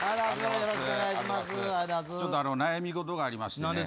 ちょっと悩み事がありましてね